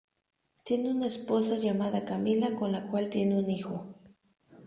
Tiene una esposa llamada Camila, con la cual tienen un hijo.